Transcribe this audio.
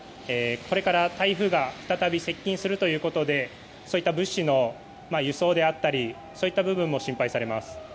これから台風が再び接近するということでそういった物資の輸送であったりそういった部分も心配されます。